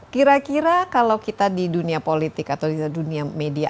kira kira kalau kita di dunia politik atau di dunia media